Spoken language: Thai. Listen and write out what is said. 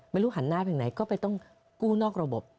หันหน้าไปไหนก็ไปต้องกู้นอกระบบ